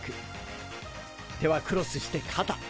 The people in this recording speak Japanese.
手はクロスしてかた！